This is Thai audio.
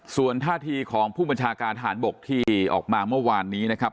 ส่วนท่าทีของผู้บัญชาการทหารบกที่ออกมาเมื่อวานนี้นะครับ